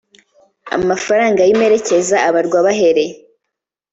Amafaranga y imperekeza abarwa bahereye